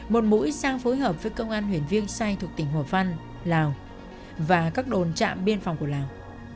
một mũi sang phối hợp với công an huyện viêng sai thuộc tỉnh hồ văn lào và các đồn trạm biên phòng của lào